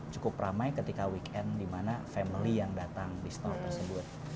cukup ramai ketika weekend di mana family yang datang di store tersebut